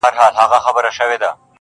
عبث دي راته له زلفو نه دام راوړ.